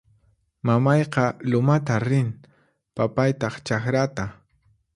Mamayqa lumatan rin; papaytaq chakrata